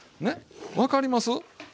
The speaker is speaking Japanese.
分かります？